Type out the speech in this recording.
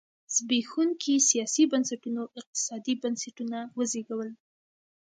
زبېښونکي سیاسي بنسټونو اقتصادي بنسټونه وزېږول.